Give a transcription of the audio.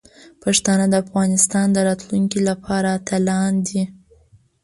پښتانه د افغانستان د راتلونکي لپاره اتلان دي.